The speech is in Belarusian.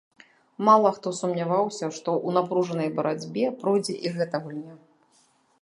Мала хто сумняваўся, што ў напружанай барацьбе пройдзе і гэта гульня.